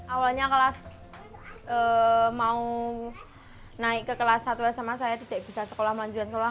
awalnya kelas mau naik ke kelas satu sama saya tidak bisa sekolah melanjutkan sekolah